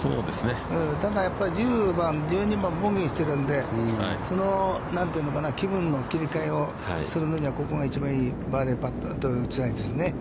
ただ、やっぱり１０番、１２番、ボギーしているので、気分の切りかえをするのには、ここが一番いい、バーディーパットを打ちたいですね。